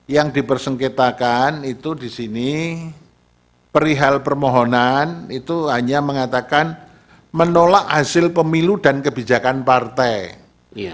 yang dipersengketakan itu di sini perihal permohonan itu hanya mengatakan menolak hasil pemilu dan kebijakan partai